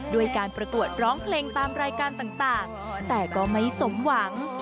ด้วยการประกวดร้องเพลงตามรายการต่างแต่ก็ไม่สมหวัง